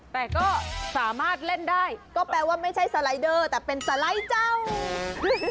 แต่ก็สามารถเล่นได้ก็แปลว่าไม่ใช่สไลเดอร์แต่เป็นสไลด์เจ้า